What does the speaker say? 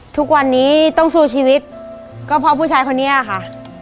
ทุกวันนี้ต้องสู้ชีวิตก็เพราะผู้ชายคนนี้ค่ะ